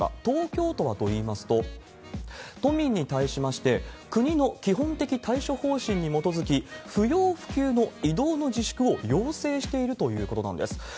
東京都はといいますと、都民に対しまして、国の基本的対処方針に基づき、不要不急の移動の自粛を要請しているということなんです。